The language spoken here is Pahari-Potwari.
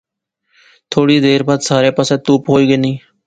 تھوڑی دیر بعد سارے پاسے تہوپ ہوئی غئی